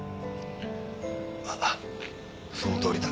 ああそのとおりだ。